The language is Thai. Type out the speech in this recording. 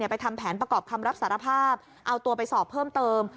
ไปทำแผนประกอบคำรับสารภาพเอาตัวไปสอบเพิ่มเติม